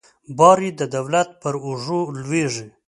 بار یې د دولت پر اوږو لویږي.